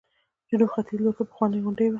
جنوب ختیځ لورته پخوانۍ غونډۍ وه.